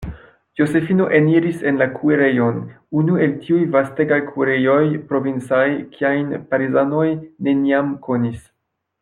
Josefino eniris en la kuirejon, unu el tiuj vastegaj kuirejoj provincaj, kiajn Parizanoj neniam konis.